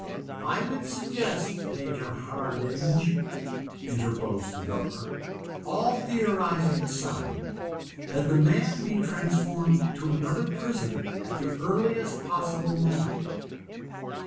"I would suggest, Major Hardinge," interposed the governor, "all theorising aside, that the man be transferred to another prison at the earliest possible moment."